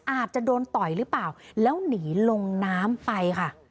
อาจจะโดนต่อยหรือเปล่าแล้วหนีลงน้ำไปค่ะ